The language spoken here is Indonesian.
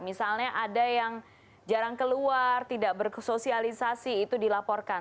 misalnya ada yang jarang keluar tidak bersosialisasi itu dilaporkan